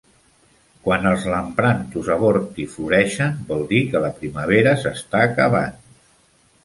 Quan els Lampranthus haworthii floreixen, vol dir que la primavera s'està acabant.